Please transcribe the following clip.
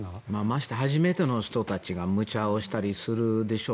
まして初めての人たちが無茶をしたりするでしょう。